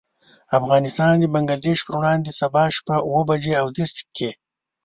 افغانستان د بنګلدېش پر وړاندې، سبا شپه اوه بجې او دېرش دقيقې.